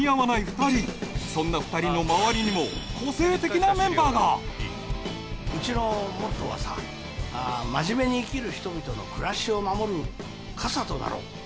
二人そんな二人のまわりにも個性的なメンバーがうちのモットーはさ「真面目に生きる人々の暮らしを守る傘となろう」